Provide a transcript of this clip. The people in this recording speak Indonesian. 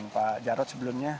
pak jarut sebelumnya